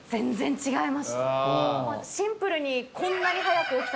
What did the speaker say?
シンプルに。